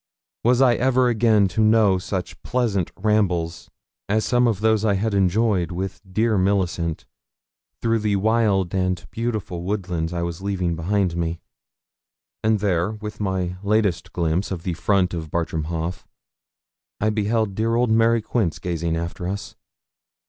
Was I ever again to know such pleasant rambles as some of those I had enjoyed with dear Millicent through the wild and beautiful woodlands I was leaving behind me? And there, with my latest glimpse of the front of Bartram Haugh, I beheld dear old Mary Quince gazing after us.